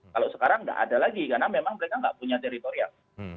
kalau sekarang tidak ada lagi karena memang mereka nggak punya teritorial